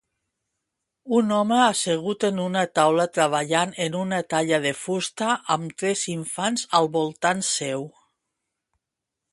Un home assegut en una taula treballant en una talla de fusta amb tres infants al voltant seu.